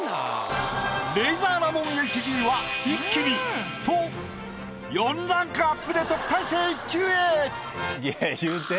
レイザーラモンＨＧは一気にフォ４ランクアップで特待生１級へ！